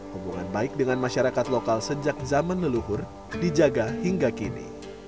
hubungan baik dengan masyarakat lokal sejak zaman leluhur dijaga hingga kini